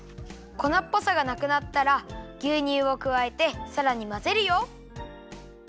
粉っぽさがなくなったらぎゅうにゅうをくわえてさらにまぜるよ。